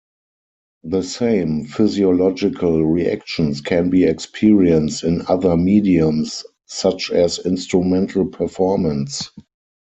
The same physiological reactions can be experienced in other mediums, such as instrumental performance.